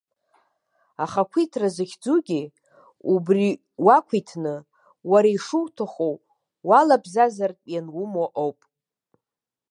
Ахақәиҭра захьӡугьы, убри уақәиҭны, уара ишуҭаху уалабзазартә ианумо ауп.